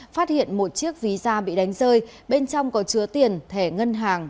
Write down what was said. phát hiện một chiếc ví da bị đánh rơi bên trong có chứa tiền thẻ ngân hàng